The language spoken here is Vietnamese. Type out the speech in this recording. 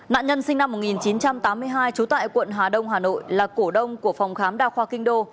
nạn nhân sinh năm một nghìn chín trăm tám mươi hai trú tại quận hà đông hà nội là cổ đông của phòng khám đa khoa kinh đô